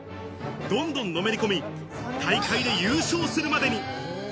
どんどんのめり込み、大会で優勝するまでに。